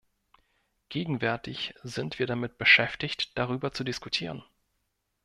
Gegenwärtig sind wir damit beschäftigt, darüber zu diskutieren.